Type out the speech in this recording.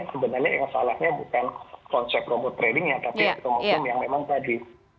sebenarnya yang salahnya bukan konsep robot tradingnya tapi otomotifum yang memang tadi